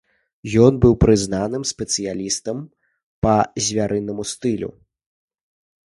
Ён быў прызнаным спецыялістам па звярынаму стылю.